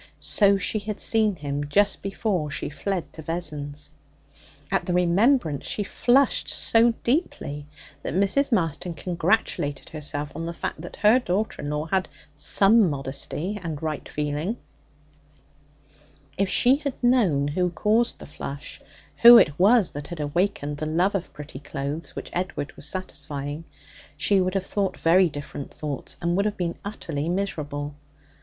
So she had seen him just before she fled to Vessons. At the remembrance she flushed so deeply that Mrs. Marston congratulated herself on the fact that her daughter in law had some modesty and right feeling. If she had known who caused the flush, who it was that had awakened the love of pretty clothes which Edward was satisfying, she would have thought very different thoughts, and would have been utterly miserable.